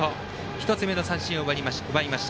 １つ目の三振を奪いました。